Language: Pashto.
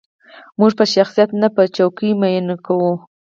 موږ په شخصیت نه، په څوکې مینه کوو.